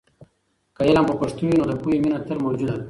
که علم په پښتو وي، نو د پوهې مینه تل موجوده ده.